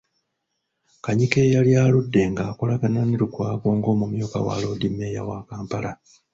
Kanyike eyali aludde ng’akolagana ne Lukwago ng’omumyuka wa Loodimmeeya wa Kampala.